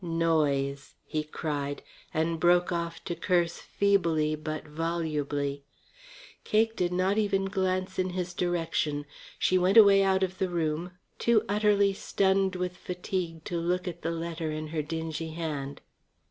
"Noyes " he cried and broke off to curse feebly but volubly. Cake did not even glance in his direction. She went away out of the room, too utterly stunned with fatigue to look at the letter in her dingy hand.